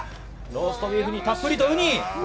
ローストビーフにたっぷりウニ。